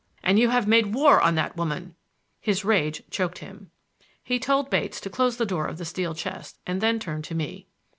And you have made war on that woman—" His rage choked him. He told Bates to close the door of the steel chest, and then turned to me.